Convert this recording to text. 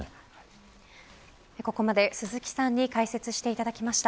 ここまで鈴木さんに解説していただきました。